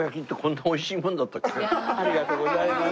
ありがとうございます。